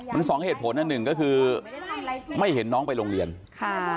มันสองเหตุผลอันหนึ่งก็คือไม่เห็นน้องไปโรงเรียนค่ะ